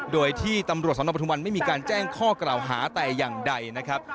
โดยที่ตำรวจสนปทุมวันไม่มีการแจ้งข้อกล่าวหาแต่อย่างใดนะครับ